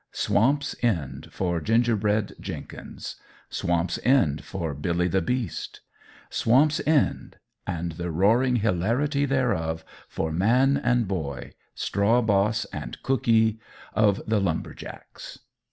Swamp's End for Gingerbread Jenkins! Swamp's End for Billy the Beast! Swamp's End and the roaring hilarity thereof for man and boy, straw boss and cookee, of the lumber jacks!